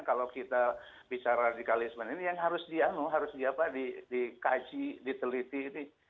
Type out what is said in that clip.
kalau kita bicara radikalisme ini yang harus dianu harus dikaji diteliti